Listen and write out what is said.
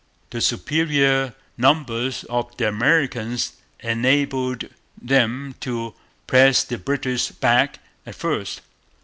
The superior numbers of the Americans enabled them to press the British back at first.